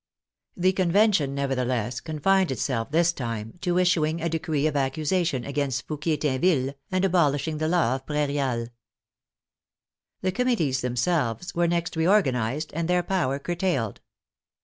The Convention, nevertheless, confined itself this time to issuing a decree of accusation against Fouquier Tinville and abolishing the law of Prairial. The Committees themselves were next reorganized and their power curtailed.